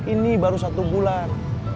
ini baru satu bulan